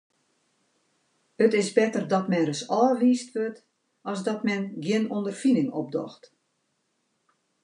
It is better dat men ris ôfwiisd wurdt as dat men gjin ûnderfining opdocht.